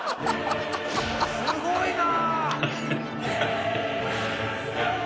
すごいな！